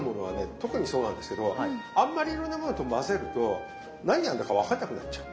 特にそうなんですけどあんまりいろんなものと混ぜると何が何だか分かんなくなっちゃう。